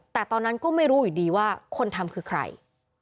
แต่ตอนนั้นก็ไม่รู้อยู่ดีว่าคนทำคือใคร